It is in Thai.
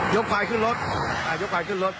ยกขายขึ้นรถ